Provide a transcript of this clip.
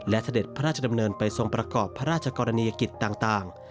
และเสด็จพระราชดำเนินไปทรงประกอบพระราชกรณียกิจต่าง